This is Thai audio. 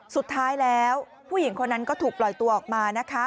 สุดท้ายแล้วผู้หญิงคนนั้นก็ถูกปล่อยตัวออกมานะคะ